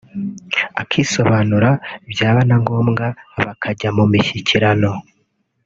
akisobanura byaba na ngombwa bakajya mu mishyikirano